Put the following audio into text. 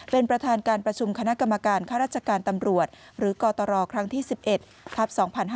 เป็นประธานการประชุมคณะกรรมการค่าราชการตำรวจหรือกตรครั้งที่๑๑ทัพ๒๕๕๙